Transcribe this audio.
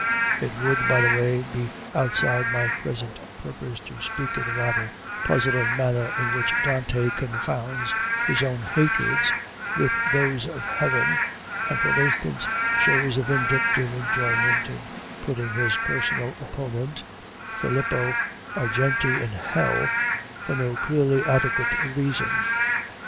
(It would, by the way, be outside my present purpose to speak of the rather puzzling manner in which Dante confounds his own hatreds, with those of heaven, and, for instance, shows a vindictive enjoyment in putting his personal opponent Filippo Argenti in hell, for no clearly adequate reason.)